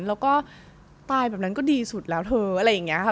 แล้วก็ตายแบบนั้นก็ดีสุดแล้วเถอะอะไรอย่างนี้ค่ะ